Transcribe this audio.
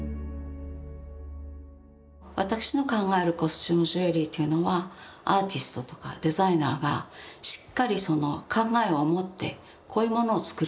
私の考えるコスチュームジュエリーというのはアーティストとかデザイナーがしっかりその考えを持ってこういうものを作りたい。